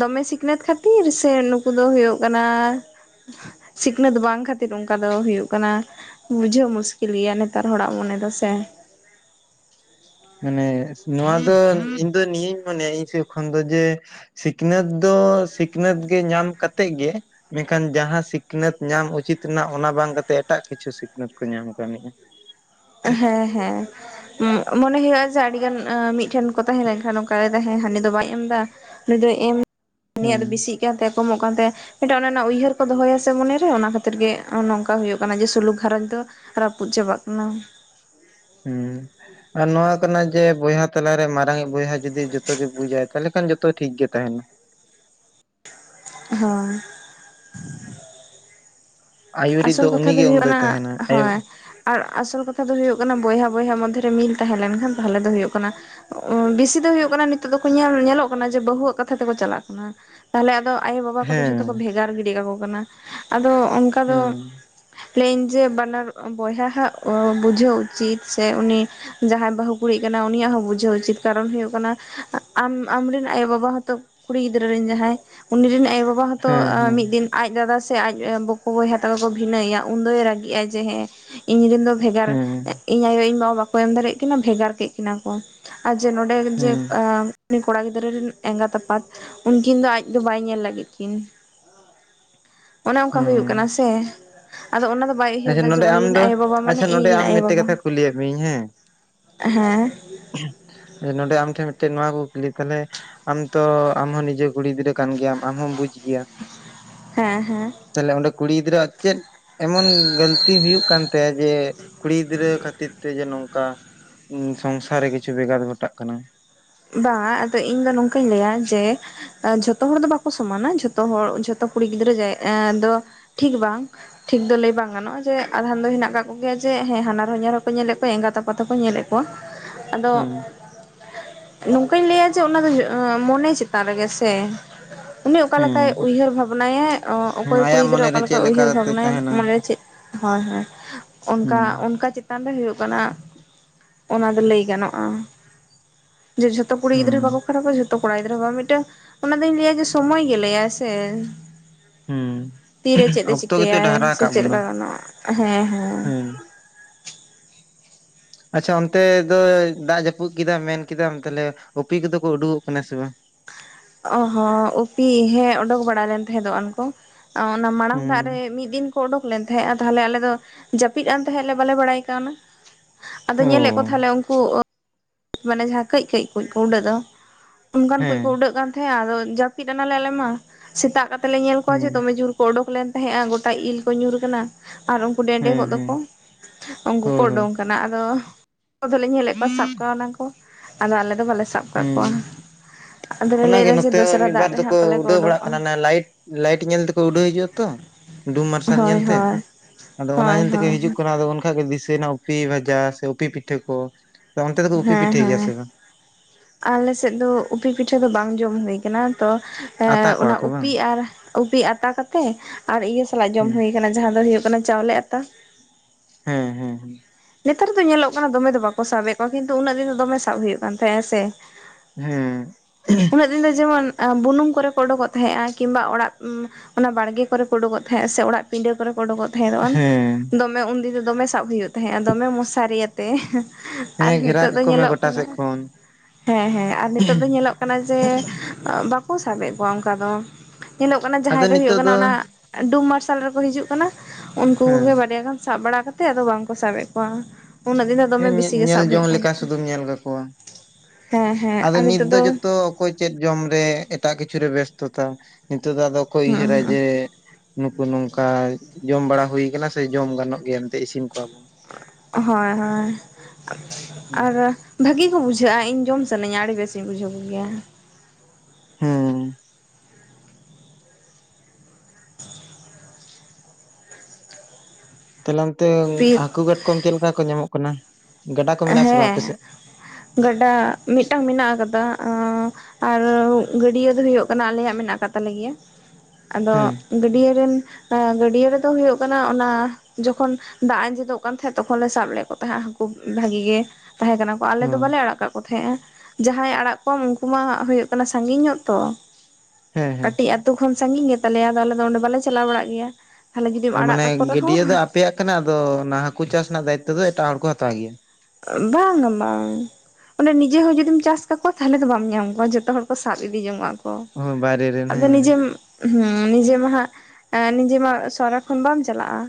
ᱫᱚᱢᱮ ᱥᱤᱠᱷᱱᱟᱹᱛ ᱠᱷᱟᱹᱛᱤᱨ ᱥᱮ ᱱᱩᱠᱩ ᱫᱚ ᱦᱩᱭᱩᱜ ᱠᱟᱱᱟ ᱥᱤᱠᱷᱱᱟᱹᱛ ᱵᱟᱝ ᱠᱷᱟᱹᱛᱤᱨ ᱚᱱᱠᱟ ᱫᱚ ᱦᱩᱭᱩᱜ ᱠᱟᱱᱟ ᱵᱩᱡᱷᱟᱹᱣ ᱢᱩᱥᱠᱤᱞ ᱜᱮᱭᱟ ᱱᱮᱛᱟᱨ ᱦᱚᱲᱟᱜ ᱢᱚᱱᱮ ᱫᱚ ᱥᱮ ᱢᱟᱱᱮ ᱱᱚᱣᱟ ᱫᱚ ᱤᱧ ᱫᱚ ᱱᱤᱭᱟᱹᱧ ᱢᱚᱱᱮᱭᱟ ᱤᱧ ᱥᱮᱡ ᱠᱷᱚᱱ ᱫᱚ ᱡᱮ ᱥᱤᱠᱷᱱᱟᱹᱛ ᱫᱚ ᱥᱤᱠᱷᱱᱟᱹᱛ ᱜᱮ ᱧᱟᱢ ᱠᱟᱛᱮᱫ ᱜᱮ, ᱢᱮᱱᱠᱷᱟᱱ ᱡᱟᱦᱟᱸ ᱥᱤᱠᱷᱱᱟᱹᱛ ᱧᱟᱢ ᱩᱪᱤᱛ ᱱᱟᱜ ᱚᱱᱟ ᱵᱟᱝ ᱠᱟᱛᱮᱫ ᱮᱴᱟᱜ ᱠᱤᱪᱷᱩ ᱥᱤᱠᱷᱱᱟᱹᱛ ᱠᱚ ᱧᱟᱢ ᱠᱟᱣᱱᱤᱡ-ᱟ [inaudible] ᱦᱮᱸ ᱦᱮᱸ ᱢᱚᱱᱮ ᱦᱩᱭᱩᱜᱼᱟ ᱡᱮ ᱟᱹᱰᱤ ᱜᱟᱱ ᱢᱤᱫ ᱴᱷᱮᱱ ᱠᱚ ᱛᱟᱦᱮᱸ ᱞᱮᱱ ᱠᱷᱟᱱ ᱚᱱᱠᱟᱭ ᱫᱮᱸ ᱦᱟᱹᱱᱤ ᱫᱚ ᱵᱟᱭ ᱮᱢᱫᱟ ᱩᱱᱤᱩᱭ ᱫᱚ ᱮᱢ ᱩᱱᱤᱭᱟᱜ ᱫᱚ ᱦᱮᱸ ᱵᱮᱥᱤᱜ ᱠᱟᱱ ᱛᱟᱭᱟ ᱠᱚᱢᱚᱜ ᱠᱟᱱ ᱛᱟᱭᱟ ᱢᱤᱫ ᱴᱟᱜ ᱚᱱᱮ ᱚᱱᱟ ᱩᱭᱦᱟᱹᱨ ᱠᱚ ᱫᱚᱦᱚᱭᱟ ᱥᱮ ᱢᱚᱱᱮ ᱨᱮ ᱚᱱᱟ ᱠᱷᱟᱹᱛᱤᱨ ᱜᱮ ᱱᱚᱝᱠᱟ ᱦᱩᱭᱩᱜ ᱠᱟᱱᱟ ᱡᱮ ᱥᱩᱞᱩᱠ ᱜᱷᱟᱨᱚᱸᱡᱽ ᱫᱚ ᱨᱟᱹᱯᱩᱫ ᱪᱟᱵᱟᱜ ᱠᱟᱱᱟ ᱦᱩᱸ ᱟᱨ ᱱᱚᱣᱟ ᱠᱟᱱᱟ ᱡᱮ ᱵᱚᱭᱦᱟ ᱛᱟᱞᱟ ᱨᱮ ᱢᱟᱨᱟᱝᱤᱡ ᱵᱚᱭᱦᱟ ᱡᱩᱫᱤ ᱡᱚᱛᱚ ᱜᱮ ᱵᱩᱡᱟᱭ ᱛᱟᱦᱚᱞᱮ ᱠᱷᱟᱱ ᱡᱚᱛᱚ ᱴᱷᱤᱠ ᱜᱮ ᱛᱟᱦᱮᱱᱟ ᱦᱳᱭ ᱟᱭᱩᱨᱤᱡ ᱟᱥᱚᱞ ᱠᱟᱛᱷᱟ ᱫᱚ ᱩᱱᱤᱜᱮ ᱦᱩᱭᱩᱜ ᱩᱱᱫᱚᱭ ᱠᱟᱱᱟ ᱛᱟᱦᱮᱱᱟ ᱟᱭᱳ ᱦᱳᱭ ᱟᱨ ᱟᱥᱚᱞ ᱠᱟᱛᱷᱟ ᱫᱚ ᱦᱳᱭᱳᱜ ᱠᱟᱱᱟ ᱵᱚᱭᱦᱟ ᱵᱚᱭᱦᱟ ᱢᱚᱫᱽᱫᱷᱮᱨᱮ ᱢᱤᱞ ᱛᱟᱦᱮᱸ ᱞᱮᱱᱠᱷᱟᱱ ᱛᱟᱦᱚᱞᱮ ᱫᱚ ᱦᱩᱭᱩᱜ ᱠᱟᱱᱟ ᱵᱤᱥᱤ ᱼᱼ ᱫᱚ ᱦᱩᱭᱩᱜ ᱠᱟᱱᱟ ᱱᱤᱛᱚᱜ ᱫᱚᱠᱚ ᱧᱮᱞ ᱧᱮᱞᱚᱜ ᱠᱟᱱᱟ ᱡᱮ ᱵᱟᱹᱦᱩᱣᱟᱜ ᱠᱟᱛᱷᱟ ᱛᱮᱠᱚ ᱪᱟᱞᱟᱜ ᱠᱟᱱᱟ᱾ ᱛᱟᱦᱞᱮ ᱟᱫᱚ ᱟᱭᱳᱼᱵᱟᱵᱟ ᱠᱚᱫᱚ ᱦᱮᱸ ᱡᱷᱚᱛᱚ ᱠᱚ ᱵᱷᱮᱜᱟᱨ ᱜᱤᱰᱤ ᱠᱟᱠᱚ ᱠᱟᱱᱟ ᱟᱫᱚ ᱚᱱᱠᱟ ᱫᱚ ᱦᱮᱸ ᱼᱼ ᱞᱟ. ᱭᱮᱫ ᱤᱧ ᱡᱮ ᱵᱟᱱᱟᱨ ᱵᱚᱭᱦᱟ ᱦᱟᱜ ᱵᱩᱡᱷᱟᱹᱣ ᱩᱪᱤᱛ ᱥᱮ ᱩᱱᱤ ᱼᱼ ᱡᱟᱦᱟᱸᱟᱭ ᱵᱟᱹᱦᱩ ᱠᱩᱲᱤᱜ ᱠᱟᱱᱟ ᱩᱱᱤᱭᱟᱜ ᱦᱚᱸ ᱵᱩᱡᱷᱟᱹᱣ ᱩᱪᱤᱛ ᱠᱟᱨᱚᱱ ᱦᱩᱭᱩᱜ ᱠᱟᱱᱟ ᱟᱢ ᱟᱢ ᱨᱮᱱ ᱟᱭᱳᱵᱟᱵᱟ ᱦᱚᱛᱚ ᱼᱼ ᱠᱩᱲᱤ ᱜᱤᱫᱽᱨᱟᱹ ᱨᱮᱱ ᱡᱟᱦᱟᱸᱭ ᱩᱱᱤ ᱨᱮᱱ ᱟᱭᱳ ᱵᱟᱵᱟ ᱦᱚᱛᱚ ᱦᱮᱸ ᱦᱮᱸ ᱢᱤᱫ ᱫᱤᱱ ᱟᱡ ᱫᱟᱫᱟ ᱥᱮ ᱟᱡ ᱵᱚ ᱠᱚ ᱵᱚᱭᱦᱟ ᱛᱟᱠᱚᱠᱚ ᱵᱷᱤᱱᱟᱹᱭᱟ ᱩᱱᱫᱚᱭ ᱨᱟᱹᱜᱤᱜᱼᱟᱭ ᱡᱮ ᱦᱮᱸ ᱤᱧ ᱨᱮᱱ ᱫᱚ ᱼᱼ ᱵᱷᱮᱜᱟᱨ ᱦᱮᱸ ᱤᱧ ᱟᱭᱳ ᱤᱧ ᱵᱟᱵᱟ ᱵᱟᱠᱚ ᱮᱢ ᱫᱟᱲᱮᱭᱟᱜ ᱠᱤᱱᱟ ᱵᱷᱮᱜᱟᱨ ᱠᱮᱫ ᱠᱤᱱᱟ ᱠᱚ ᱟᱨ ᱡᱮ ᱱᱚᱰᱮ ᱡᱮ ᱦᱮᱸ ᱟᱸᱻᱻ ᱩᱱᱤ ᱠᱚᱲᱟ ᱜᱤᱫᱽᱨᱟᱹ ᱨᱮᱱ ᱮᱸᱜᱟᱛ ᱟᱯᱟᱛ ᱩᱱᱠᱤᱱ ᱫᱚ ᱟᱡ ᱫᱚ ᱵᱟᱭ ᱧᱮᱞ ᱞᱟᱹᱜᱤᱫ ᱠᱤᱱ। [inaudible] ᱚᱱᱮ ᱚᱱᱠᱟ ᱦᱩᱭᱩᱜ ᱦᱮᱸ ᱠᱟᱱᱟ ᱥᱮ ᱟᱫᱚ ᱚᱱᱟ ᱫᱚ ᱵᱟᱭ ᱩᱭᱦᱟᱹᱨ ᱟᱪᱪᱷᱟ ᱮᱫᱟ ᱡᱮ ᱱᱚᱰᱮ ᱩᱱᱤ ᱟᱢ ᱨᱮᱱ ᱫᱚ ᱟᱭᱳᱼᱵᱟᱵᱟ ᱢᱟᱱᱮ ᱟᱪᱪᱷᱟ ᱱᱚᱰᱮ ᱤᱧᱨᱮ ᱨᱮᱱ ᱟᱢ ᱢᱤᱫᱴᱮᱡ ᱟᱭᱳᱼᱵᱟᱵᱟ ᱠᱟᱛᱷᱟ ᱠᱩᱞᱤᱭᱮᱫ ᱢᱤᱭᱟᱹᱧ ᱦᱮᱸ ᱦᱮᱸ ᱱᱚᱰᱮ ᱟᱢᱴᱷᱮᱱ ᱢᱤᱫᱴᱮᱱ ᱱᱚᱣᱟ ᱠᱩᱠᱞᱤ ᱛᱟᱦᱞᱮ, ᱟᱢ ᱛᱚ ᱟᱢᱦᱚᱸ ᱱᱤᱡᱮ ᱠᱩᱲᱤ ᱜᱤᱫᱽᱨᱟᱹ ᱠᱟᱱ ᱜᱮᱭᱟᱢ ᱟᱢᱦᱚᱢ ᱵᱩᱡᱽ ᱼᱼ ᱜᱮᱭᱟ ᱦᱮᱸ ᱦᱮᱸ ᱛᱟᱦᱚᱞᱮ ᱚᱸᱰᱮ ᱠᱩᱲᱤ ᱜᱤᱫᱽᱨᱟᱹ ᱪᱮᱫ ᱮᱢᱚᱱ ᱼᱼ ᱜᱟᱹᱞᱛᱤ ᱦᱩᱭᱩᱜ ᱠᱟᱱ ᱛᱟᱭᱟ ᱡᱮ ᱠᱩᱲᱤ ᱜᱤᱫᱽᱨᱟᱹ ᱠᱷᱟᱹᱛᱤᱨ ᱛᱮ ᱡᱮ ᱱᱚᱝᱠᱟ ᱚᱸᱻ ᱥᱚᱝᱥᱟᱨ ᱨᱮ ᱠᱤᱪᱷᱩ ᱵᱷᱮᱜᱛ ᱜᱷᱚᱴᱟᱜ ᱠᱟᱱᱟ᱾ ᱵᱟᱝ ᱟᱫᱚ ᱤᱧ ᱫᱚ ᱱᱚᱝᱠᱟᱧ ᱞᱟᱹᱭᱟ ᱡᱮ ᱼᱼ ᱡᱷᱚᱛᱚ ᱦᱚᱲ ᱫᱚ ᱵᱟᱠᱚ ᱥᱚᱢᱟᱱᱟ ᱡᱷᱚᱛᱚ ᱦᱚᱲ ᱡᱷᱚᱛᱚ ᱠᱩᱲᱤ ᱜᱤᱫᱽᱨᱟᱹ ᱡᱮ ᱮ ᱫᱚ ᱴᱷᱤᱠ ᱵᱟᱝ। ᱴᱷᱤᱠ ᱫᱚ ᱞᱟᱹᱭ ᱵᱟᱝ ᱜᱟᱱᱚᱜᱼᱟ ᱡᱮ ᱟᱫᱷᱟᱱ ᱫᱚ ᱦᱮᱱᱟᱜ ᱟᱠᱟᱫ ᱠᱚᱜ ᱜᱮᱭᱟ ᱡᱮ ᱦᱮᱸᱟᱱᱦᱧᱟᱨ ᱦᱚᱸᱠᱚ ᱧᱮᱞᱮᱫ ᱠᱚᱣᱟ ᱮᱸᱜᱟᱛ ᱟᱯᱟᱛ ᱦᱚᱸᱠᱚ ᱧᱮᱞᱮᱫ ᱠᱚᱣᱟ। [inaudible] ᱟᱫᱚ ᱱᱚᱝᱠᱟᱧ ᱞᱟᱹᱭᱟ ᱡᱮ ᱚᱱᱟ ᱫᱚ ᱢᱚᱱᱮ ᱪᱮᱛᱟᱱ ᱨᱮᱜᱮ ᱥᱮ ᱼᱼ ᱩᱱᱤ ᱚᱠᱟ ᱞᱮᱠᱟᱭ ᱦᱮᱸ ᱩᱭᱦᱟᱹᱨ ᱵᱷᱟᱵᱽᱱᱟᱭᱮ ᱚᱠᱚᱭ ᱠᱩᱲᱤ ᱟᱭᱟᱜ ᱜᱤᱫᱽᱨᱟᱹ ᱢᱚᱱᱮᱨᱮ ᱚᱠᱟ ᱪᱮᱫ ᱞᱮᱠᱟᱭ ᱞᱮᱠᱟ ᱩᱭᱦᱟᱹᱨ ᱠᱟᱛᱮ ᱵᱷᱟᱵᱽᱱᱟᱭ ᱛᱟᱦᱮᱱᱟ ᱢᱚᱱᱮᱨᱮ ᱪᱮᱫ ᱼᱼ ᱦᱳᱭ ᱦᱳᱭ ᱚᱱᱠᱟ ᱦᱮᱸ ᱚᱱᱠᱟ ᱪᱮ ᱪᱮᱛᱟᱱ ᱨᱮ ᱦᱩᱭᱩᱜ ᱠᱟᱱᱟ ᱚᱱᱟ ᱫᱚ ᱞᱟᱹᱭ ᱜᱟᱱᱚᱜᱼᱟ। ᱡᱷᱚᱛᱚ ᱠᱩᱲᱤ ᱦᱮᱸ ᱜᱤᱫᱽᱨᱟᱹ ᱵᱟᱠᱚ ᱠᱷᱟᱨᱟᱯ ᱟ ᱡᱷ ᱛᱚ ᱠᱚᱲᱟ ᱜᱤᱫᱽᱨᱟᱹ ᱦᱚᱸ ᱵᱟ ᱢᱤᱫᱴᱮᱱ ᱚᱱᱟ ᱫᱚᱧ ᱞᱟᱹᱭᱟ ᱡᱮ ᱥᱚᱢᱚᱭ ᱜᱮ ᱞᱟᱹᱭᱟᱭ ᱥᱮ ᱦᱮᱸ ᱛᱤᱨᱮ ᱪᱮᱫ ᱮ ᱚᱠᱛᱚ ᱜᱮᱛᱚᱭ ᱪᱤᱠᱟᱭᱟᱭ ᱰᱟᱦᱟᱨᱟ ᱥᱮ ᱟᱠᱟᱫ ᱵᱚᱱᱟ ᱪᱮᱫᱞᱮᱠᱟ ᱜᱟᱱᱚᱜᱼᱟ ᱦᱮᱸ ᱦᱮᱸ᱾ ᱟᱪᱪᱷᱟ ᱚᱱᱛᱮ ᱫᱚ ᱫᱟᱜ ᱡᱟᱹᱯᱩᱫ ᱠᱮᱫᱟ ᱢᱮᱱ ᱠᱮᱫᱟᱢ ᱛᱟᱦᱚᱞᱮ ᱚᱯᱤ ᱠᱚᱫᱚ ᱠᱚ ᱩᱰᱩᱠᱚᱜ ᱠᱟᱱᱟ ᱥᱮ ᱵᱟᱝ? ᱚ ᱦᱚᱸ ᱩᱯᱤ ᱦᱮᱸ ᱚᱰᱳᱠ ᱵᱟᱲᱟ ᱞᱮᱱ ᱛᱟᱦᱮᱸ ᱫᱚᱭᱟᱱᱠᱚ ᱾ ᱚᱱᱟ ᱢᱟᱲᱟᱝ ᱫᱟᱜ ᱨᱮ ᱦᱮᱸ ᱢᱤᱫ ᱫᱤᱱ ᱼᱼ ᱚᱰᱚᱠ ᱞᱮᱱ ᱛᱟᱦᱮᱸᱜᱼᱟ ᱛᱟᱦᱚᱞᱮ ᱟᱞᱮ ᱫᱚ ᱡᱟᱹᱯᱤᱫ ᱟᱱ ᱛᱟᱦᱮᱸᱫᱞᱮ ᱵᱟᱞᱮ ᱵᱟᱲᱟᱭ ᱠᱟᱣᱱᱟ ᱾ ᱟᱫᱚ ᱚ ᱧᱮᱞᱮᱫ ᱠᱚ ᱛᱟᱦᱮᱫ ᱞᱮ ᱩᱱᱠᱩ ᱼᱼ ᱢᱟᱱᱮ ᱡᱟᱦᱟᱸ ᱠᱟᱹᱡ ᱠᱟ. ᱡ ᱠᱩᱡ ᱠᱚ ᱩᱰᱟᱹᱜᱼᱟ ᱚᱱᱠᱟᱱ ᱠᱚᱡ ᱦᱮᱸ ᱠᱚ ᱩᱰᱟᱹᱜ ᱠᱟᱱ ᱼᱼ ᱦᱮᱸ ᱟᱫᱚ ᱡᱟᱹᱯᱤᱫ ᱟᱱᱟᱞᱮ ᱟᱞᱮ ᱢᱟ ᱥᱮᱛᱟᱜ ᱠᱟᱛᱮ ᱞᱮ ᱧᱮᱞ ᱠᱚᱣᱟ ᱡᱮ ᱦᱮᱸ ᱫᱚᱢᱮ ᱡᱩᱨ ᱚᱰᱳᱠ ᱞᱮᱱ ᱛᱟᱦᱮᱸᱜᱼᱟ ᱜᱚᱴᱟ ᱤᱞ ᱠᱚ ᱧᱩᱨ ᱠᱟᱱᱟ᱾ ᱟᱨ ᱩᱱᱠᱩ ᱰᱮᱸᱰᱮᱸ ᱦᱮᱸ ᱠᱚᱜ ᱦᱮᱸ ᱫᱚᱠᱚ ᱩᱱᱠᱩ ᱠᱚ ᱦᱳᱭ ᱦᱳᱭ ᱩᱰᱩᱝ ᱠᱟᱱᱟ ᱟᱫᱚ ᱟ ᱫᱚᱞᱮ ᱧᱮᱞᱮᱫ ᱠᱚᱣᱟ ᱥᱟᱵ ᱠᱟᱣ ᱱᱟᱠᱚ ᱟᱫᱚ ᱟᱞᱮ ᱫᱚ ᱵᱟᱞᱮ ᱥᱟᱵ ᱠᱟᱜ ᱠᱚᱣᱟ᱾ ᱦᱮᱸ ᱟᱫᱚᱞᱮ ᱚᱱᱟᱜᱮ ᱞᱟᱹᱭᱫᱟ ᱡᱮ ᱱᱚᱛᱮ ᱫᱚᱥᱨᱟ ᱫᱟᱜ ᱢᱤᱫᱵᱟᱨ ᱨᱮ ᱫᱚᱠᱚ ᱦᱟᱸᱜ ᱯᱟᱞᱮ ᱠᱚ ᱩᱰᱟᱹᱣ ᱵᱟᱲᱟᱜ ᱚᱰᱳᱠᱚᱜᱼᱟ ᱠᱟᱱᱟ ᱞᱟᱭᱤᱴ ᱞᱟᱭᱤᱴ ᱧᱮᱞ ᱛᱮᱠᱚ ᱩᱰᱟᱹᱣ ᱦᱤᱡᱩᱜᱼᱟ ᱛᱚ᱾ ᱰᱩᱢ ᱦᱳᱭ ᱢᱟᱨᱥᱟᱞ ᱧᱮᱞᱛᱮ ᱦᱳᱭ ᱟᱫᱚ ᱚᱱᱟ ᱦᱳᱭ ᱧᱮᱞ ᱛᱮᱜᱮ ᱦᱳᱭ ᱦᱤᱡᱩᱜ ᱠᱟᱱᱟ ᱟᱫᱚ ᱩᱱ ᱠᱷᱟᱡ ᱜᱮ ᱫᱤᱥᱟᱹᱭᱱᱟ ᱯᱤ ᱵᱷᱡᱟ ᱥᱮ ᱩᱯᱷᱤ ᱯᱤᱴᱷᱟᱹ ᱠᱚ ᱚᱱᱛᱮ ᱫᱚᱠᱚ ᱩᱯᱤ ᱦᱮᱸ ᱯᱤᱴᱷᱟᱹᱭ ᱜᱮᱭᱟ ᱥᱮ ᱦᱮᱸ ᱵᱟᱝ ᱟᱞᱮ ᱥᱮᱫ ᱫᱚ ᱩᱯᱷᱤ ᱯᱤᱴᱷᱟᱹ ᱫᱚ ᱵᱟᱝ ᱡᱚᱢ ᱦᱩᱭ ᱠᱟᱱᱟ ᱛᱚ ᱟᱛᱟ ᱼᱼ ᱠᱚᱣᱟ ᱚᱱᱟ ᱠᱚ ᱵᱟᱝ ᱩᱯᱤ ᱟᱨ ᱩᱯᱤ ᱟᱴᱟ ᱠᱟᱛᱮ ᱟᱨ ᱤᱭᱟᱹ ᱥᱟᱞᱟᱜ ᱡᱚᱢ ᱦᱮᱸ ᱦᱩᱭ ᱼᱼ ᱡᱟᱦᱟᱸ ᱫᱚ ᱦᱩᱭᱩᱜ ᱠᱟᱱᱟ ᱪᱟᱣᱞᱮ ᱟᱛᱟ, ᱦᱮᱸ ᱦᱮᱸ ᱦᱮᱸ ᱱᱮᱛᱟᱨ ᱫᱚ ᱧᱮᱞᱚᱜ ᱠᱟᱱᱟ ᱫᱚᱢᱮ ᱫᱚ ᱵᱟᱠᱚ ᱥᱟᱵ ᱮᱫ ᱠᱚᱣᱟ ᱠᱤᱱᱛᱩ ᱩᱱᱟᱹᱜ ᱫᱤᱱ ᱫᱚ ᱫᱚᱢᱮ ᱥᱟᱵ ᱦᱩᱭᱩᱜ ᱠᱟᱱ ᱛᱟᱦᱮᱸᱜ ᱦᱮᱸ ᱥᱮ᱾ ᱦᱮ ᱮᱜ ᱩᱱᱟᱹᱜ ᱫᱤᱱ ᱫᱚ ᱡᱮᱢᱚᱱ ᱵᱩᱱᱩᱢ ᱠᱚᱨᱮ ᱠᱚ ᱚᱰᱚᱠᱚᱜ ᱛᱟᱦᱮᱸᱜᱼᱟ ᱠᱤᱝᱵᱟ ᱚᱲᱟᱜ ᱚᱱᱟ ᱵᱟᱲᱜᱮ ᱠᱚᱨᱮ ᱠᱚ ᱩᱰᱳᱠᱚᱜ ᱛᱟᱦᱮᱸᱜ ᱥᱮ ᱚᱲᱟᱜ ᱯᱤᱰᱟᱹ ᱠᱚᱨᱮ ᱠᱚ ᱩᱰᱳᱠᱚᱜ ᱛᱷᱮᱨᱚᱱ ᱦᱮᱸ ᱫᱚᱢᱮ ᱩᱱᱫᱤᱱ ᱫᱚ ᱫᱚᱢᱮ ᱥᱟᱵ ᱦᱩᱭᱩᱜ ᱛᱟᱦᱮᱸᱜᱼᱟ ᱫᱚᱢᱮ ᱢᱚᱥᱟᱨᱤ ᱭᱟᱛᱮ ᱟᱨ ᱦᱮᱸ ᱜᱷᱮᱨᱟ ᱱᱤᱛᱳᱜ ᱫᱚ ᱠᱟᱠᱚ ᱢᱮ ᱧᱮᱞᱚᱜ ᱜᱚᱴᱟ ᱠᱟᱱᱟ, ᱥᱮᱫ ᱠᱷᱚᱱ ᱦᱮᱸ ᱦᱮᱸ ᱟᱨ ᱱᱤᱛᱳᱜ ᱫᱚ ᱧᱮᱞᱚᱜ ᱠᱟᱱᱟ ᱡᱮ ᱵᱟᱠᱚ ᱥᱟᱵᱮᱫ ᱠᱚᱣᱟ ᱚᱝᱠᱟ ᱫᱚ ᱧᱮᱞᱚᱜ ᱠᱟᱱᱟ ᱟᱫᱚ ᱡᱟᱦᱟᱸᱭ ᱫᱚ ᱦᱩᱭᱩᱜ ᱱᱤᱛᱚᱜ ᱠᱟᱱᱟ ᱚᱱᱟ ᱰᱩᱢ ᱢᱟᱨᱥᱟᱞ ᱨᱮᱠᱚ ᱦᱤᱡᱩᱜ ᱠᱟᱱᱟ ᱩᱱᱠᱩ ᱠᱩᱜᱮ ᱦᱮᱸ ᱵᱟᱨᱭᱟ ᱜᱟᱱ ᱥᱟᱵ ᱵᱟᱲᱟ ᱠᱟᱛᱮᱫ ᱟᱫᱚ ᱵᱟᱝ᱾ ᱥᱟᱵᱮᱫ ᱠᱚᱣᱟ᱾ ᱩᱱᱟᱹᱜ ᱫᱤᱱ ᱫᱚ ᱫᱚᱢᱮ ᱦᱮᱸ ᱧᱮ ᱵᱮᱥᱤ ᱜᱮ ᱧᱮᱞ ᱥᱟᱵ ᱦᱩᱭᱩᱜ ᱡᱚᱝ ᱠᱟᱱ ᱞᱮᱠᱟ ᱛᱟᱦᱮᱸᱜᱼᱟ ᱥᱩᱫᱩᱢ ᱧᱮᱞ ᱠᱟᱠᱚᱣᱟ᱾ ᱦᱮᱸ ᱦᱮᱸ ᱟᱫᱚ ᱟᱨ ᱱᱤᱛ ᱱᱤᱛᱚᱜ ᱫᱚ ᱡᱚᱛᱚ ᱚᱠᱚᱭ ᱪᱮᱫ ᱡᱚᱢ ᱨᱮ ᱮᱴᱟᱜ ᱠᱤᱪᱷᱩᱨᱮ ᱵᱮᱥᱛᱚᱛᱟ ᱱᱤᱛᱚᱜ ᱫᱚ ᱟᱫᱚ ᱚᱠᱚᱭ ᱦᱩᱸ ᱩᱭᱦᱟᱹᱨᱟᱭ ᱦᱩᱸ ᱡᱮ ᱱᱩᱠᱩ ᱱᱚᱝᱠᱟ ᱡᱚᱢ ᱵᱟᱲᱟ ᱦᱩᱭ ᱠᱟᱱᱟ ᱥᱮ ᱡᱚᱢ ᱜᱟᱱᱚᱜ ᱜᱮᱭᱟ ᱮᱱᱛᱮ ᱤᱥᱤᱱ ᱠᱚᱣᱟ ᱠᱚ᱾ ᱦᱚᱭ ᱦᱚᱭ, ᱟᱨ ᱵᱷᱟᱹᱜᱤ ᱠᱚ ᱵᱩᱡᱷᱟᱹᱜᱼᱟ ᱤᱧ ᱡᱚᱢ ᱥᱟᱱᱟᱧᱟ ᱟᱹᱰᱤ ᱵᱮᱥᱤᱧ ᱵᱩᱡᱷᱟᱹᱣ ᱠᱚ ᱜᱮᱭᱟ᱾ ᱦᱮᱸ ᱛᱟᱦᱚᱞᱮ ᱚᱱᱛᱮ ᱯᱤᱴ ᱦᱟᱹᱠᱩ ᱠᱟᱴᱠᱚᱢ ᱪᱮᱫ ᱞᱮᱠᱟ ᱠᱚ ᱧᱟᱢᱚᱜ ᱠᱟᱱᱟ? ᱜᱟᱰᱟ ᱠᱚ ᱢᱮᱱᱟᱜ ᱟᱥᱮ ᱵᱟᱝ ᱟᱯᱮ ᱦᱮᱸ ᱥᱮᱫ ᱜᱟᱰᱟ ᱢᱤᱫᱴᱟᱝ ᱢᱮᱱᱟᱜ ᱟᱠᱟᱫᱟ, ᱚᱸ ᱟᱨ ᱜᱟᱹᱰᱭᱟᱹ ᱫᱚ ᱦᱩᱭᱩᱜ ᱠᱟᱱᱟ ᱟᱞᱮᱭᱟᱜ ᱢᱮᱱᱟᱜ ᱠᱟᱜ ᱛᱟᱞᱮ ᱜᱮᱭᱟ ᱟᱫᱚ ᱦᱮᱸ ᱜᱟᱹᱰᱭᱟᱹ ᱨᱮᱱ ᱜᱟᱹᱰᱭᱟᱹ ᱨᱮᱫᱚ ᱦᱩᱭᱩᱜ ᱠᱟᱱᱟ ᱚᱱᱟ ᱡᱚᱠᱷᱚᱱ ᱫᱟᱜ ᱟᱸᱡᱮᱫᱚᱜ ᱠᱟᱱ ᱛᱟᱦᱮᱸᱫ ᱛᱚᱠᱷᱚᱱ ᱞᱮ ᱥᱟᱵ ᱞᱮᱫ ᱠᱚ ᱛᱟᱦᱮᱸᱫ ᱦᱟᱠᱩ᱾ ᱵᱷᱟᱜᱤ ᱜᱮ ᱛᱟᱦᱮᱸ ᱠᱟᱱᱟ ᱠᱚ ᱟᱞᱮ ᱫᱚ ᱦᱮᱸ ᱵᱟᱞᱮ ᱟᱲᱟᱜ ᱠᱟᱜ ᱠᱚ ᱛᱟᱦᱮᱸᱜᱼᱟ ᱡᱟᱦᱟᱸᱭ ᱟᱲᱟᱜ ᱠᱚᱣᱟᱢ ᱩᱱᱠᱩ ᱢᱟ ᱦᱩᱭᱩᱜ ᱠᱟᱱᱟ ᱥᱟᱺᱜᱤᱧ ᱧᱚᱜ ᱛᱚ᱾ ᱦᱮᱸ ᱦᱮᱸ ᱠᱟᱹᱴᱤᱡ ᱟᱹᱛᱩ ᱠᱷᱚᱱ ᱥᱟᱺᱜᱤᱧ ᱜᱮᱛᱟ ᱞᱮᱭᱟ ᱟᱫᱚ ᱟᱞᱮ ᱫᱚ ᱚᱸᱰᱮ ᱵᱟᱞᱮ ᱪᱟᱞᱟᱣ ᱵᱟᱲᱟᱜ ᱜᱮᱭᱟ᱾ ᱦᱟᱱᱮ ᱡᱩᱫᱤᱢ ᱟᱲᱟᱜ ᱢᱟᱱᱮ ᱠᱟ ᱠᱚ ᱨᱮᱦᱚᱸ ᱜᱟᱹᱰᱭᱟᱹ ᱫᱚ ᱟᱯᱮᱭᱟᱜ ᱠᱟᱱᱟ ᱟᱫᱚ ᱚᱱᱟ ᱦᱟᱹᱠᱩ ᱪᱟᱥ ᱨᱮᱱᱟᱜ ᱫᱟᱭᱤᱛᱛᱚ ᱫᱚ ᱮᱴᱟᱜ ᱦᱚᱲ ᱠᱚ ᱦᱟᱛᱟᱣ ᱜᱮᱭᱟ᱾ ᱵᱟᱝ ᱵᱟᱝ᱾ ᱚᱱᱮ ᱱᱤᱡᱮ ᱦᱚᱸ ᱡᱩᱫᱤᱢ ᱪᱟᱥ ᱠᱟᱠᱚᱣᱟ ᱛᱟᱦᱚᱞᱮ ᱫᱚ ᱵᱟᱢ ᱧᱟᱢ ᱠᱚᱣᱟ ᱡᱚᱛᱚ ᱦᱚᱲ ᱠᱚ ᱥᱟᱵ ᱤᱫᱤ ᱡᱚᱝ ᱚᱜ ᱟᱠᱚ᱾ ᱦᱚᱸ ᱦᱳᱭ ᱵᱟᱭᱨᱮ ᱨᱮᱱ ᱟᱫᱚ ᱦᱮᱸ ᱱᱤᱡᱮᱢ ᱦᱩᱸ ᱱᱤᱡᱮ ᱫᱚ ᱦᱟᱜ ᱱᱤᱡᱮ ᱢᱟ ᱥᱟᱨᱟ ᱠᱷᱚᱱ ᱵᱟᱢ ᱪᱟᱞᱟᱜᱼᱟ᱾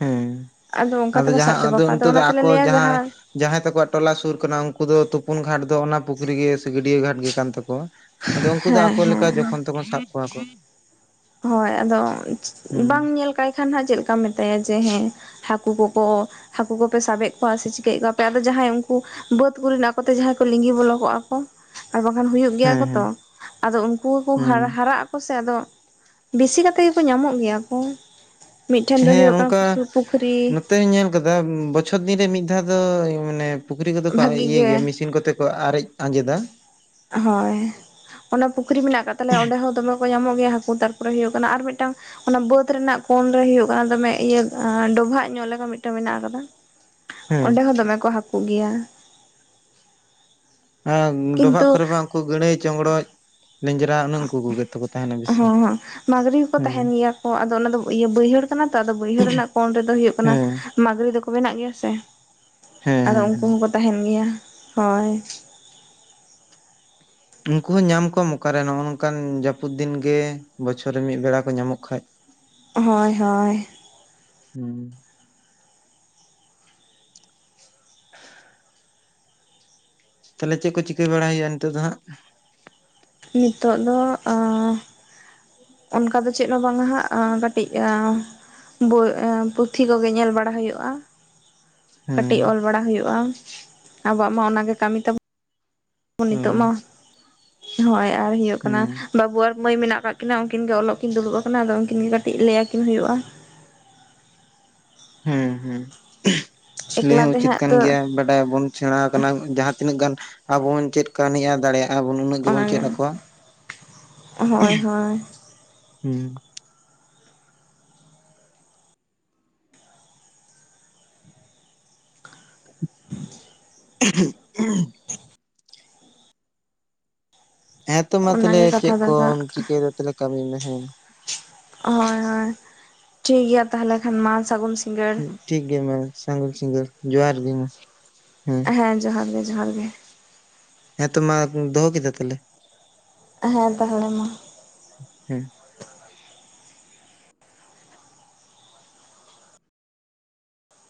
ᱦᱮᱸ ᱟᱫᱚ ᱚᱱᱠᱟ ᱛᱮᱠᱚ ᱥᱟᱵ ᱡᱟᱦᱟᱸ ᱪᱟᱵᱟ ᱠᱚᱣᱟ ᱟᱫᱚ ᱱᱤᱛᱚᱜ ᱫᱚ ᱚᱱᱟ ᱛᱮᱞᱮ ᱟᱠᱚ ᱞᱟᱹᱭᱟ ᱡᱟᱦᱟᱸᱭ ᱡᱟᱦᱟᱸ ᱡᱟᱦᱟᱸᱭ ᱛᱟᱠᱚᱣᱟᱜ ᱴᱚᱞᱟ ᱥᱩᱨ ᱠᱟᱱᱟ ᱩᱱᱠᱩ ᱫᱚ ᱛᱩᱯᱩᱱ ᱜᱷᱟᱴ ᱫᱚ ᱚᱱᱟ ᱯᱩᱠᱷᱨᱤ ᱜᱮ ᱥᱮ ᱜᱟᱹᱰᱭᱟᱹ ᱜᱷᱟᱴ ᱜᱮ ᱠᱟᱱ ᱛᱟᱠᱚᱣᱟ᱾ ᱟᱫᱚ ᱩᱱᱠᱩ ᱫᱚ ᱟᱠᱚ ᱞᱮᱠᱟ ᱡᱚᱠᱷᱚᱱ ᱛᱚᱠᱷᱚᱱ ᱥᱟᱵ ᱠᱚᱣᱟ ᱠᱚ᱾ ᱦᱳᱭ ᱟᱫᱚ ᱵᱟᱝ ᱦᱩᱸ ᱧᱮᱞ ᱠᱟᱭ ᱠᱷᱟᱱ ᱦᱟᱜ ᱪᱮᱫᱠᱟᱢ ᱢᱮᱛᱟᱭᱟ ᱡᱮ ᱦᱮᱸ ᱦᱟᱹᱠᱩ ᱠᱚᱠᱚ ᱦᱟᱹᱠᱩ ᱠᱚᱯᱮ ᱥᱟᱵᱮᱫ ᱠᱚᱣᱟ ᱥᱮ ᱪᱤᱠᱟᱹᱭᱮᱫ ᱠᱚᱣᱟᱯᱮ ᱟᱫᱚ ᱡᱟᱦᱟᱸᱭ ᱩᱱᱠᱩ ᱵᱟᱹᱫ ᱠᱚᱨᱮᱱᱟᱜ ᱠᱚᱛᱮ ᱡᱟᱦᱟᱸᱭ ᱠᱚ ᱞᱤᱸᱜᱤ ᱵᱚᱞᱚ ᱠᱚᱜᱼᱟ ᱠᱚ᱾ ᱟᱨ ᱵᱟᱝᱠᱷᱟᱱ ᱦᱩᱭᱩᱜ ᱜᱮᱭᱟ ᱦᱮᱸ ᱠᱚ ᱦᱮᱸ ᱛᱚ ᱟᱫᱚ ᱩᱱᱠᱩ ᱦᱚᱠᱚ ᱦᱩᱸ ᱦᱟᱨ ᱦᱟᱨᱟᱜ ᱟᱠᱚ ᱥᱮ ᱟᱫᱚ ᱵᱮᱥᱤ ᱠᱟᱛᱮᱫ ᱜᱮᱠᱚ ᱧᱟᱢᱚᱜ ᱜᱮᱭᱟ ᱠᱚ ᱢᱤᱫᱴᱷᱮᱱ ᱫᱚ ᱦᱩᱭᱩᱜ ᱠᱟᱱᱟ ᱯᱩᱠᱷᱨᱤ ᱱᱤᱛᱚᱜ ᱧᱮᱞ ᱠᱟᱫᱟ ᱵᱚᱪᱷᱚᱨ ᱫᱤᱱ ᱨᱮ ᱢᱤᱫ ᱫᱷᱟᱣ ᱫᱚ ᱢᱟᱱᱮ ᱯᱩᱠᱷᱨᱤ ᱠᱚᱫᱚ ᱠᱚ ᱵᱷᱟᱹᱜᱤ ᱤᱭᱟᱹᱭ ᱜᱮᱭᱟ ᱜᱮ ᱢᱮᱥᱤᱱ ᱠᱚᱛᱮ ᱠᱚ ᱟᱨᱮᱡ ᱟᱸᱡᱮᱫᱟ ᱦᱚᱭ ᱚᱱᱮ ᱯᱩᱠᱷᱨᱤ ᱢᱮᱱᱟᱜ ᱠᱟᱜ ᱛᱟᱞᱮᱭᱟ ᱚᱸᱰᱮ ᱦᱚᱸ ᱫᱚᱢᱮ ᱠᱚ ᱧᱟᱢᱚᱜ ᱜᱮᱭᱟ ᱦᱟᱹᱠᱩ ᱛᱟᱨᱯᱚᱨᱮ ᱦᱩᱭᱩᱜ ᱠᱟᱱᱟ ᱟᱨ ᱢᱤᱫᱴᱟᱝ ᱚᱱᱟ ᱵᱟᱹᱫᱽ ᱨᱮᱱᱟᱜ ᱠᱳᱱ ᱨᱮ ᱦᱩᱭᱩᱜ ᱠᱟᱱᱟ ᱫᱚᱢᱮ ᱤᱭᱟᱹ ᱰᱚᱵᱷᱟᱜ ᱧᱚᱜ ᱞᱮᱠᱟ ᱢᱤᱫᱴᱮᱡ ᱢᱮᱱᱟᱜ ᱟᱠᱟᱫᱟ᱾ ᱦᱮᱸ ᱚᱸᱰᱮ ᱦᱚᱸ ᱫᱚᱢᱮ ᱠᱚ ᱦᱟᱹᱠᱩᱜ ᱜᱮᱭᱟ᱾ ᱦᱮᱸ ᱰᱚᱵᱷᱟᱜ ᱠᱤᱱᱛᱩ ᱠᱚᱨᱮ ᱢᱟ ᱩᱱᱠᱩ ᱜᱟᱹᱲᱟᱹᱭ ᱪᱚᱝᱜᱽᱲᱟ᱾ ᱚᱱᱮ ᱩᱱᱠᱩ ᱠᱚ ᱜᱮ ᱛᱚ ᱠᱩ ᱛᱟᱦᱮᱸᱱᱟ ᱵᱮᱥᱤ᱾ ᱢᱟᱹᱜᱽᱨᱤ ᱦᱚᱸᱠᱚ ᱦᱮᱸ ᱛᱟᱦᱮᱸᱱ ᱜᱮᱭᱟ ᱠᱚ ᱟᱫᱚ ᱚᱱᱟᱫᱚ ᱤᱭᱟᱹ ᱵᱟᱹᱭᱦᱟᱹᱲ ᱠᱟᱱᱟ ᱛᱚ ᱟᱫᱚ ᱵᱟᱹᱭᱦᱟᱹᱲ ᱨᱮᱱᱟᱜ ᱠᱚᱱ ᱨᱮᱫᱚ ᱦᱩᱭᱩᱜ ᱠᱟᱱᱟ ᱦᱮᱸ ᱢᱟᱜᱽᱨᱤ ᱫᱚᱠᱚ ᱵᱮᱱᱟᱜ ᱜᱮᱭᱟ ᱥᱮ, ᱦᱮᱸ ᱟᱫᱚ ᱦᱮᱸ ᱩᱱᱠᱩ ᱦᱮᱸ ᱦᱚᱸᱠᱚ ᱛᱟᱦᱮᱸᱱ ᱜᱮᱭᱟ ᱦᱳᱭ᱾ ᱩᱱᱠᱩ ᱦᱚᱸ ᱧᱟᱢ ᱠᱚᱣᱟᱢ ᱚᱠᱟᱨᱮ ᱱᱚᱜᱼᱚ ᱱᱚᱝᱠᱟᱱ ᱡᱟᱹᱯᱩᱫ ᱫᱤᱱ ᱜᱮ ᱵᱚᱪᱷᱚᱨ ᱨᱮ ᱢᱤᱫ ᱵᱮᱲᱟ ᱠᱚ ᱧᱟᱢᱚᱜ ᱠᱷᱟᱡ᱾ ᱦ ᱦᱳᱭ ᱦᱳᱭ ᱦᱩᱸ ᱛᱟᱦᱚᱞᱮ ᱪᱮᱫ ᱠᱚ ᱪᱤᱠᱟᱹ ᱵᱟᱲᱟᱟᱭ ᱦᱩᱭᱩᱜᱼᱟ ᱱᱤᱛᱚᱜ ᱫᱚ ᱦᱟᱸᱜ ᱱᱤᱛᱚᱜ ᱫᱚ ᱟ ᱚᱱᱠᱟ ᱫᱚ ᱪᱮᱫ ᱦᱚᱸ ᱵᱟᱝᱟ ᱦᱟᱜ ᱠᱟᱹᱴᱤᱡ ᱵᱳᱭ ᱮ ᱯᱩᱛᱷᱤ ᱠᱚᱜᱮ ᱧᱮᱞ ᱵᱟᱲᱟ ᱦᱩᱭᱩᱜᱼᱟ ᱦᱮᱸ ᱠᱟᱹᱴᱤᱡ ᱚᱞ ᱵᱟᱲᱟ ᱦᱩᱭᱩᱜᱼᱟ ᱟᱵᱚᱣᱟᱜ ᱢᱟ ᱚᱱᱟᱜᱮ ᱠᱟᱹᱢᱤ ᱛᱟᱵᱚ ᱦᱳᱭ ᱱᱤᱛᱚᱜ ᱢᱟ ᱦᱚᱭ ᱟᱨ ᱦᱳᱭᱳᱜ ᱠᱟᱱᱟ ᱦᱩᱸ ᱵᱟᱵᱩ ᱟᱨ ᱢᱟᱹᱭ ᱢᱮᱱᱟᱜ ᱟᱠᱟᱫ ᱠᱤᱱᱟ ᱩᱱᱠᱤᱱ ᱜᱮ ᱚᱞᱚᱜ ᱠᱤᱱ ᱫᱩᱲᱩᱵ ᱟᱠᱟᱱᱟ ᱟᱫᱚ ᱩᱱᱠᱤᱱ ᱜᱮ ᱠᱟᱹᱴᱤᱡ ᱞᱟᱹᱭ ᱟᱹᱠᱤᱱ ᱦᱩᱭᱩᱜᱼᱟ ᱦᱮᱸ ᱦᱩᱸ ᱞᱟᱹᱭ ᱮᱠᱞᱟ ᱦᱚᱸ ᱛᱮ ᱩᱪᱤᱛ ᱦᱟᱸᱜ ᱠᱟᱱ ᱛᱚ ᱜᱮᱭᱟ ᱵᱟᱴ ᱦᱮᱸ ᱵᱚᱱ ᱥᱮᱬᱟ ᱟᱠᱟᱱᱟ ᱡᱟᱦᱟᱸ ᱛᱤᱱᱟᱹᱜ ᱜᱟᱱ ᱟᱵᱚ ᱵᱚᱱ ᱪᱮᱫ ᱠᱟᱣ ᱱᱤᱜ-ᱟ ᱫᱟᱲᱮᱭᱟᱜ ᱟᱵᱚ ᱱᱩᱱᱟᱹᱜ ᱜᱮᱵᱚᱱ ᱪᱮᱫ ᱚᱱᱟᱜᱮ ᱟᱠᱚᱣᱟ [inaudible] ᱦᱳᱭ ᱦᱳᱭ ᱦᱩᱸ ᱩᱦᱩᱜ ᱩ [inaudible] [inaudible] ᱦᱮᱸᱛᱚ ᱢᱟ ᱛᱚᱞᱮ ᱚᱱᱟᱜᱮ ᱠᱟᱛᱷᱟ ᱪᱮᱫ ᱫᱚ ᱠᱚᱢ ᱦᱟᱸᱜ ᱪᱤᱠᱟᱹᱭᱫᱟ ᱛᱟᱦᱚᱞᱮ ᱠᱟᱹᱢᱤ ᱢᱮ ᱦᱮᱸ ᱦᱳᱭ ᱦᱳᱭ ᱴᱷᱤᱠ ᱜᱮᱭᱟ ᱛᱟᱦᱞᱮ ᱠᱷᱟᱱ ᱢᱟ ᱥᱟᱹᱜᱩᱱ ᱥᱤᱸᱜᱟᱹᱲ ᱴᱷᱤᱠ ᱜᱮᱭᱟ ᱢᱟ ᱥᱟᱹᱜᱩᱱ ᱥᱤᱸᱜᱟᱹᱲ ᱡᱚᱦᱟᱸᱨ ᱜᱮ ᱢᱟ ᱦᱮᱸ ᱦᱮᱸ ᱡᱚᱦᱟᱸᱨ ᱜᱮ ᱡᱚᱦᱟᱸᱨ ᱜᱮ ᱦᱮᱸ ᱛᱚ ᱢᱟ ᱫᱚᱦᱚ ᱠᱮᱫᱟ ᱛᱟᱦᱚᱞᱮ ᱦᱮᱸ ᱛᱟᱦᱚᱞᱮ ᱢᱟ ᱦᱮᱸ